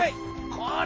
これ。